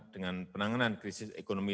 dengan penanganan krisis ekonomi